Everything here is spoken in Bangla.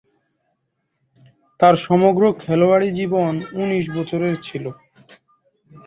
তার সমগ্র খেলোয়াড়ী জীবন উনিশ বছরের ছিল।